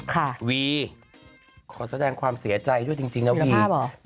ค่ะวีขอแสดงความเสียใจด้วยจริงนะวีวีรภาพเหรอ